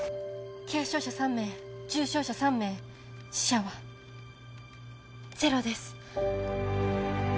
軽傷者３名重傷者３名死者はゼロです